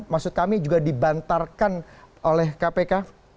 maksud kami juga dibantarkan oleh kpk